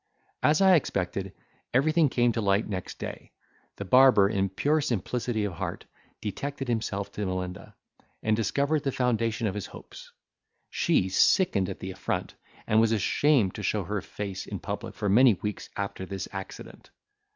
As I expected, everything came to light next day. The barber, in pure simplicity of heart, detected himself to Melinda, and discovered the foundation of his hopes; she sickened at the affront, and was ashamed to show her face in public for many weeks after this accident.